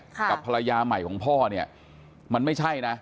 กับภรรยาใหม่ของพ่อเนี่ยมันไม่ใช่นะ